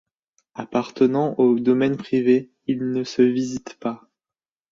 Appartenant au domaine privé il ne se visite pas.